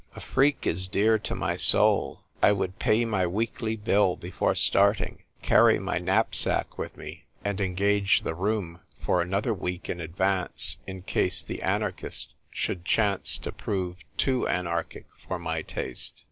A freak is dear to my soul. I would pay my weekly bill before starting, carry my knapsack with me, and engage the room for another week in advance, in case the anar chists should chance to prove too anarchic for my taste.